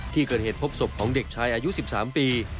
ที่เกิดเหตุพบศพของเด็กชายอายุ๑๓ปี